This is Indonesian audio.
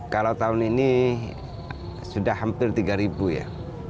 kalau tahun ini sudah hampir tiga ribu ya